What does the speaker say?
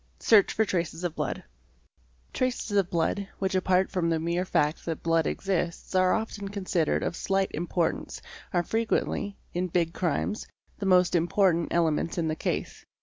Search for traces of blood "%—*™, Traces of blood, which apart from the mere fact that blood exists are often considered of slight importance, are frequently, especially in big crimes, the most important elements in the case.